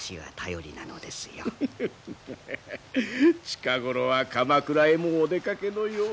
近頃は鎌倉へもお出かけのようで。